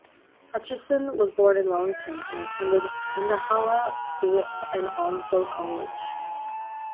Hutchison was born in Wellington, and attended Khandallah School and Onslow College.